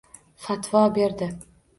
Fatvo berdi